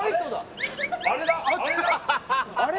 あれ？